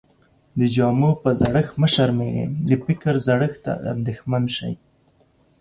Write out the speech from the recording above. د جامو په زړښت مه شرمېږٸ، د فکر زړښت ته انديښمن سې.